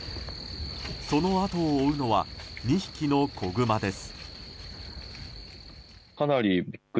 その後を追うのは２匹の子グマです。